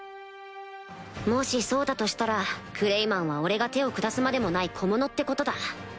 もしそうだとしたらクレイマンは俺が手を下すまでもない小物ってことだ